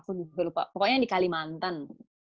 pokoknya yang di kalimantan